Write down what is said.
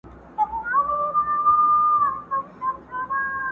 روغبړ مو ورسره وکړ